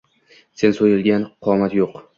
Sen soʻylagan qomat yoʻq